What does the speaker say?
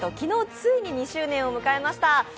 昨日、ついに２周年を迎えました。